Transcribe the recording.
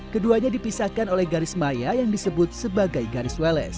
keduanya dipisahkan oleh garis maya yang disebut sebagai garis welles